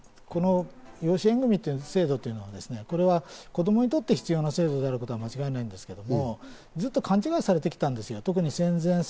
養子縁組という制度というのは、これは子供にとって必要な制度であることは間違いないんですけど、ずっと勘違いされてきたんですよ。